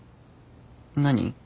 何？